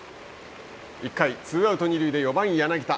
１回、ツーアウト、二塁で４番柳田。